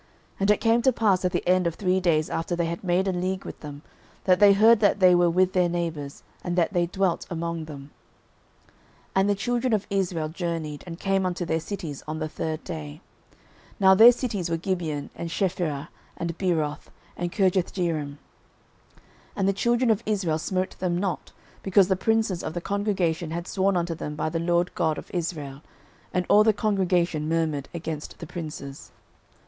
06:009:016 And it came to pass at the end of three days after they had made a league with them, that they heard that they were their neighbours, and that they dwelt among them. 06:009:017 And the children of Israel journeyed, and came unto their cities on the third day. Now their cities were Gibeon, and Chephirah, and Beeroth, and Kirjathjearim. 06:009:018 And the children of Israel smote them not, because the princes of the congregation had sworn unto them by the LORD God of Israel. And all the congregation murmured against the princes.